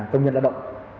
công nhân đã động